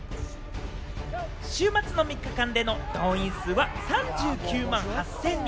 週末の３日間での動員数は３９万８０００人。